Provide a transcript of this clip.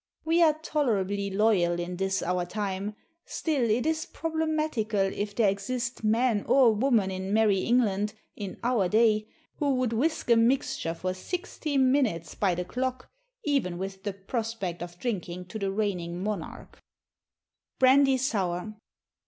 We are tolerably loyal in this our time; still it is problematical if there exist man or woman in Merry England, in our day who would whisk a mixture for sixty minutes by the clock, even with the prospect of drinking to the reigning monarch. _Brandy Sour.